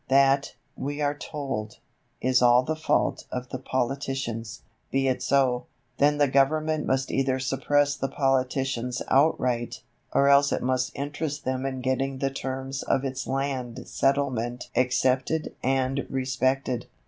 That, we are told, is all the fault of the politicians. Be it so; then the Government must either suppress the politicians outright, or else it must interest them in getting the terms of its land settlement accepted and respected.